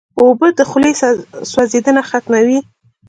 اوبه د خولې سوځېدنه ختموي.